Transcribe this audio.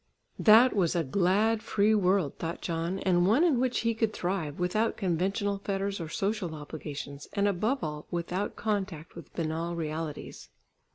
"That was a glad free world," thought John, and one in which he could thrive, without conventional fetters or social obligations, and above all, without contact with banal realities.